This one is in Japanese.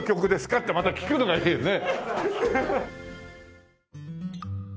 ってまた聞くのがいいよね。